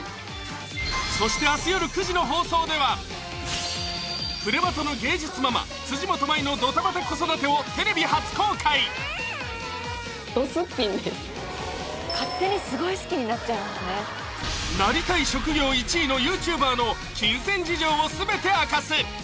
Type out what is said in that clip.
そして明日よる９時の放送では「プレバト」の芸術ママ辻元舞のドタバタ子育てをテレビ初公開なりたい職業１位のＹｏｕＴｕｂｅｒの金銭事情を全て明かす！